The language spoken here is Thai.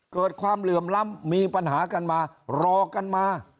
ความเหลื่อมล้ำมีปัญหากันมารอกันมา